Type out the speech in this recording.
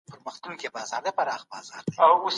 ایا د ماشومانو لپاره د مورو پلار مینه حیاتي ده؟